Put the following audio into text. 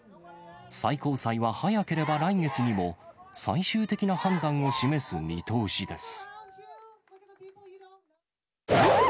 最高裁は早ければ来月にも、最終的な判断を示す見通しです。